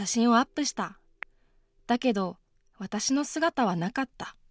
だけど私の姿はなかった。